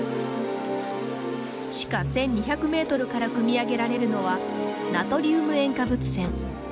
地下１２００メートルからくみ上げられるのはナトリウム塩化物泉。